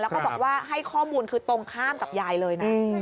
แล้วก็บอกว่าให้ข้อมูลคือตรงข้ามกับยายเลยนะ